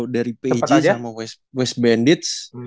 dari pegi sama west bandits